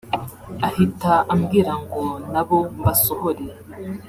ahita ambwira ngo nabo mbasohore